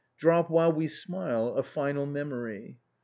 Drop, while we smile, a final memory.